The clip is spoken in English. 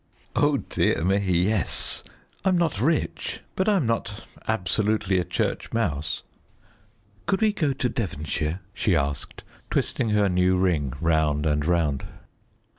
"Oh dear me, yes. I'm not rich, but I'm not absolutely a church mouse." "Could we go to Devonshire?" she asked, twisting her new ring round and round.